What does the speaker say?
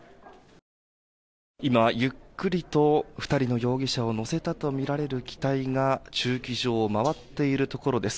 今、ゆっくりと２人の容疑者を乗せたとみられる機体が駐機場を回っているところです。